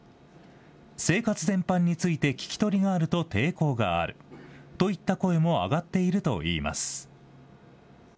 生活全般について聞き取りがあると抵抗があるといった声も上がっているといいます。